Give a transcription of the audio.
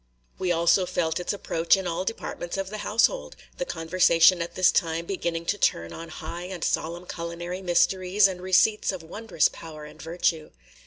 We also felt its approach in all departments of the household, – the conversation at this time beginning to turn on high and solemn culinary mysteries and receipts of wondrous power and virtue.